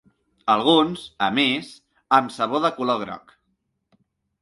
Alguns, a més, amb sabó de color groc.